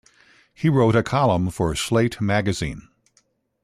He wrote a column for "Slate Magazine".